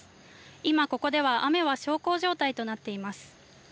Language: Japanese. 今ここでは雨は小康状態となっています。